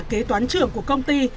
kế toán trưởng của công ty